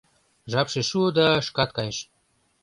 Жапше шуо да шкат кайыш